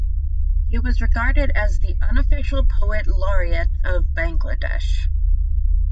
He was regarded as the "unofficial poet laureate" of Bangladesh.